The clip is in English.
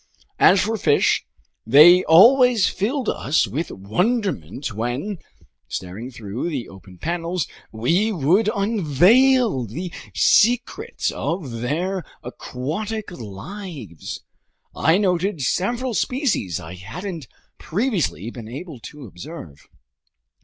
As for fish, they always filled us with wonderment when, staring through the open panels, we could unveil the secrets of their aquatic lives. I noted several species I hadn't previously been able to observe.